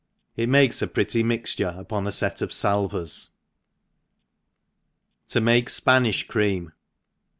^|t makes 4 pretty rpixture upon a fct of falvers. To make Spanish Cream.